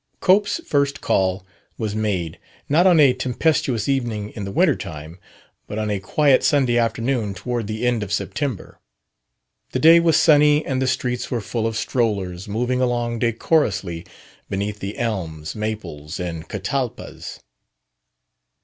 Cope's first call was made, not on a tempestuous evening in the winter time, but on a quiet Sunday afternoon toward the end of September. The day was sunny and the streets were full of strollers moving along decorously beneath the elms, maples and catalpas.